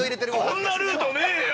◆こんなルートねえよ！